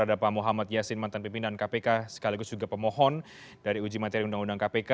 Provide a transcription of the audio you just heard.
ada pak muhammad yasin mantan pimpinan kpk sekaligus juga pemohon dari uji materi undang undang kpk